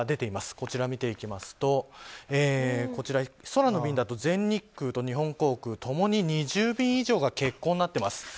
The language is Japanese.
こちら、見ていきますと空の便だと全日空と日本航空共に２０便以上が欠航になっています。